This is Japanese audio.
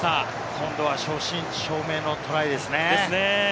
今度は正真正銘のトライですね。